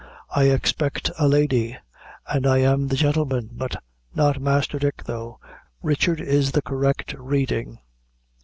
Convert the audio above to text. I expect a lady; and I am the gentleman, but not Master Dick, though Richard is the correct reading."